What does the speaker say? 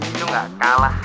itu gak kalah